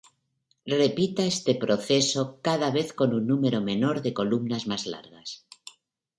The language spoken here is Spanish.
Repita este proceso, cada vez con un número menor de columnas más largas.